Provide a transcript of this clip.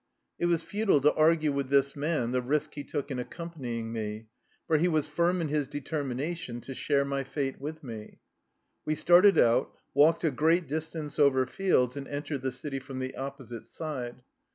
It was futile to argue with this man the risk he took in accompanying me, for he was firm in his determination to share my fate with me. We started out, walked a great distance over fields, and entered the city from the oppo site side.